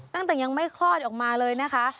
ตั้งแต่ยังไม่คลอดออกมาเลยนะคะ